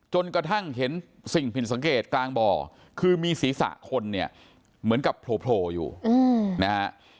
จนกระทั่งเห็นสิ่งผิดสังเกตกลางบ่อคือมีศีรษะคนเนี่ยเหมือนกับโผล่อยู่นะฮะ